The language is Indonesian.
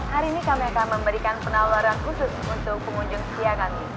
hari ini kami akan memberikan penawaran khusus untuk pengunjung siaga kami